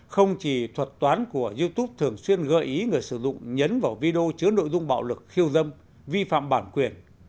không chỉ thuật toán của youtube thường xuyên gợi ý người sử dụng nhấn vào video chứa nội dung bạo lực khiêu dâm vi phạm bản quyền